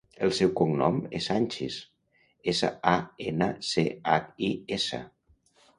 El seu cognom és Sanchis: essa, a, ena, ce, hac, i, essa.